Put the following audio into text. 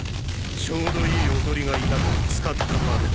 ちょうどいいおとりがいたから使ったまでだ。